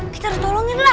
kita tolongin lah